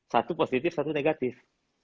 satu positif satu negatif